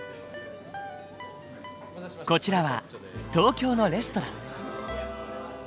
こちらは東京のレストラン。